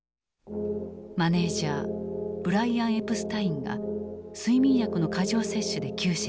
マネージャーブライアン・エプスタインが睡眠薬の過剰摂取で急死した。